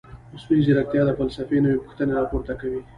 مصنوعي ځیرکتیا د فلسفې نوې پوښتنې راپورته کوي.